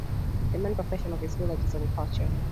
The main profession of this village is agriculture.